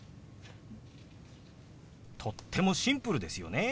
とってもシンプルですよね。